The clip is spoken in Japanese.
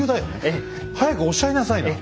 ええ。早くおっしゃいなさいな。